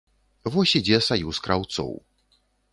Вось ідзе саюз краўцоў.